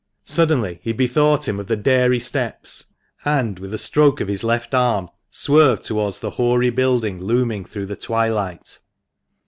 Suddenly he bethought him of the dairy steps, and, with a stroke of his left arm, swerved towards the hoary building looming through the twilight.